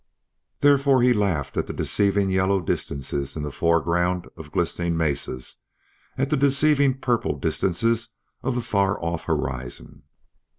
Therefore he laughed at the deceiving yellow distances in the foreground of glistening mesas, at the deceiving purple distances of the far off horizon.